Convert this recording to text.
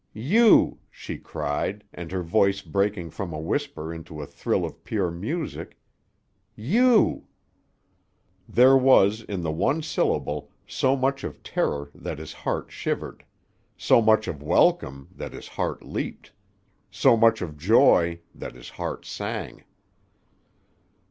"You!" she cried; and her voice breaking from a whisper into a thrill of pure music: "You!" There was, in the one syllable, so much of terror that his heart shivered; so much of welcome that his heart leaped; so much of joy that his heart sang.